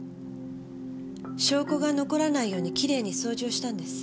証拠が残らないようにきれいに掃除をしたんです。